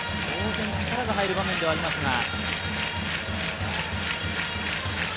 当然、力が入る場面ではありますが。